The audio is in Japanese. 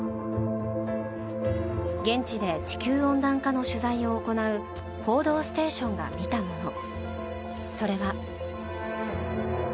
現地で地球温暖化の取材を行う「報道ステーション」が見たものそれは。